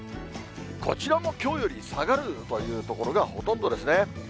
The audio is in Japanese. こちらもきょうより下がるという所がほとんどですね。